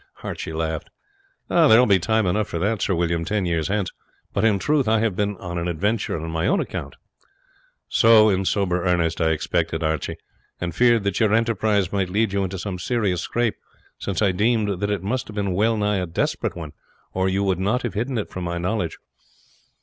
Archie laughed. "There will be time enough for that, Sir William, ten years hence; but in truth I have been on an adventure on my own account." "So, in sober earnest, I expected, Archie, and feared that your enterprise might lead you into some serious scrape since I deemed that it must have been well nigh a desperate one or you would not have hidden it from my knowledge."